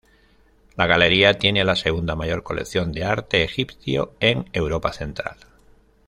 La galería tiene la segunda mayor colección de arte egipcio en Europa central.